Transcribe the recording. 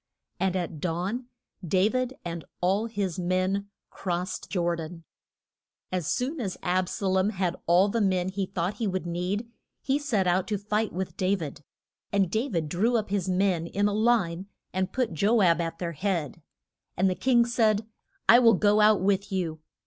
And at dawn Da vid and all his men crossed Jor dan. As soon as Ab sa lom had all the men he thought he would need, he set out to fight with Da vid. And Da vid drew up his men in line, and put Jo ab at their head. And the king said, I will go out with you.